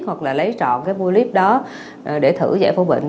hoặc là lấy trọn cái bôi líp đó để thử giải phẫu bệnh